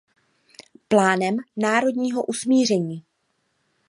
Plánem národního usmíření.